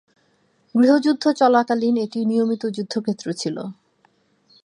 গৃহযুদ্ধ চলাকালীন এটি নিয়মিত যুদ্ধক্ষেত্র ছিল।